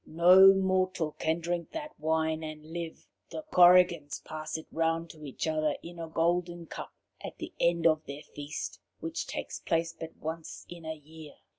No mortal can drink that wine and live. The Korrigans pass it round to each other in a golden cup at the end of their feast, which takes place but once in the year.